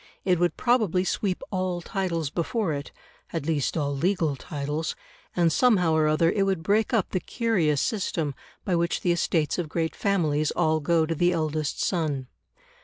It would probably sweep all titles before it at least all legal titles and somehow or other it would break up the curious system by which the estates of great families all go to the eldest son.